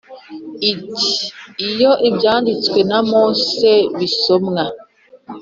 iti iyo ibyanditswe na Mose bisomwa